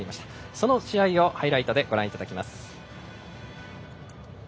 その試合をハイライトでご覧いただきます。